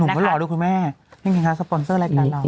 ไม่รอด้วยคุณแม่นี่ไงคะสปอนเซอร์รายการเรา